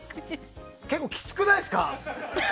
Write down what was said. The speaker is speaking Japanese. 結構きついくないですか？